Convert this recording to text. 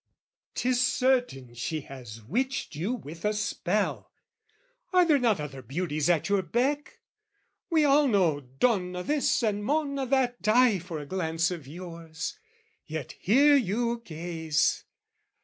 "''Tis certain she has witched you with a spell. "'Are there not other beauties at your beck? "'We all know, Donna This and Monna That "'Die for a glance of yours, yet here you gaze!